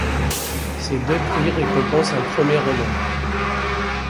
Ces deux prix récompensent un premier roman.